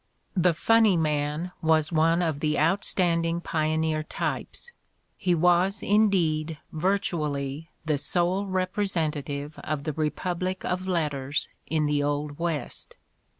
The "funny man" was one of the outstanding pioneer types; he was, indeed, vir tually the sole representative of the Republic of Letters in the old West.